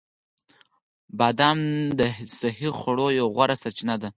بادام د صحي خوړو یوه غوره سرچینه ده.